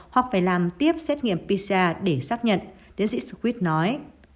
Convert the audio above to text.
hoặc phải làm tiếp xét nghiệm pcr để xác nhận tiến sĩ swift nói